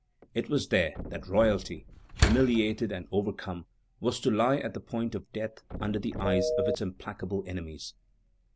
It was there that royalty, humiliated and overcome, was to lie at the point of death under the eyes of its implacable enemies.